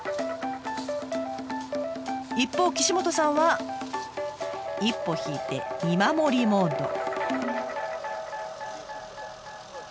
一方岸本さんは一歩引いて見守りモード。